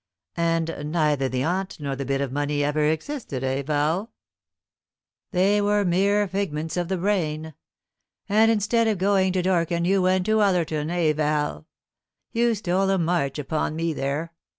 "And neither the aunt nor the bit of money ever existed, eh, Val? They were mere figments of the brain; and instead of going to Dorking you went to Ullerton, eh, Val? You stole a march upon me there.